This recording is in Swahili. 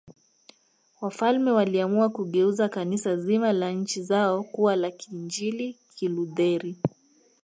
Wafalme waliamua kugeuza Kanisa zima la nchi zao kuwa la Kiinjili Kilutheri